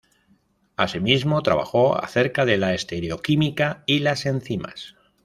Así mismo trabajó acerca de la estereoquímica y las enzimas.